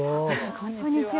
こんにちは。